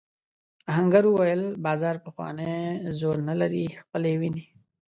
آهنګر وویل بازار پخوانی زور نه لري خپله وینې.